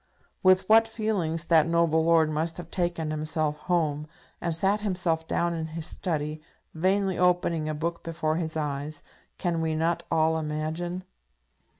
With what feelings that noble lord must have taken himself home, and sat himself down in his study, vainly opening a book before his eyes, can we not all imagine?